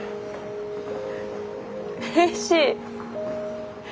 うれしい。